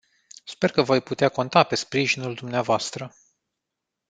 Sper că voi putea conta pe sprijinul dumneavoastră.